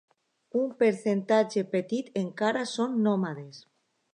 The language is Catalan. Un percentatge petit encara són nòmades.